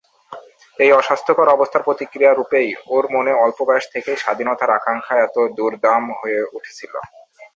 এই অস্বাস্থ্যকর অবস্থার প্রতিক্রিয়ারূপেই ওর মনে অল্পবয়স থেকেই স্বাধীনতার আকাঙক্ষা এত দুর্দাম হয়ে উঠেছিল।